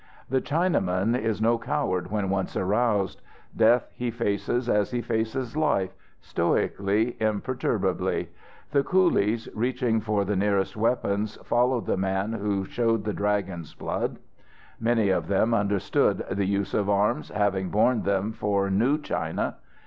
The Chinaman is no coward when once aroused. Death he faces as he faces life, stoically, imperturbably. The coolies, reaching for the nearest weapons, followed the man who showed the Dragon's blood. Many of them understood the use of arms, having borne them for New China.